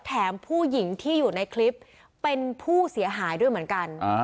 แถมผู้หญิงที่อยู่ในคลิปเป็นผู้เสียหายด้วยเหมือนกัน